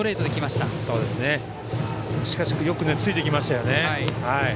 しかしよくついていきましたよね。